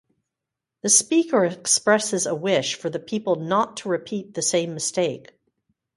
The speaker expresses a wish for the people not to repeat the same mistake.